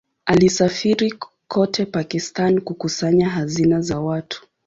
Alisafiri kote Pakistan kukusanya hazina za watu.